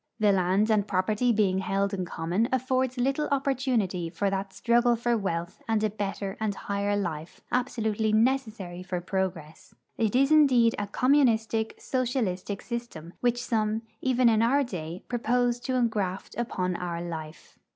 The land and property being held in common affords little opportunity for that struggle for wealth and a better and higher life absolutely necessary for progress. It is indeed a communistic, socialistic system, which some, even in our day, propose to engraft upon our life.